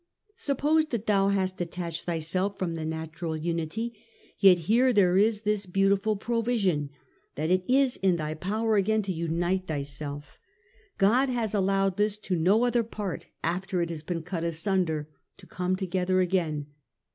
' Suppose that thou hast detached thyself from the natural unity, ^' vui. 34. yet here there is this beautiful provision, that it is in thy power again to unite thyself. God has allowed this to no other part, after it has been cut asunder, to come together again.